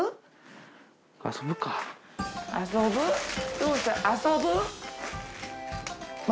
遊ぶ？